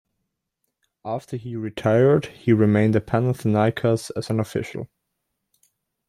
After he retired, he remained in Panathinaikos as an official.